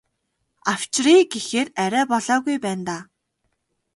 Авчиръя гэхээр арай болоогүй байна даа.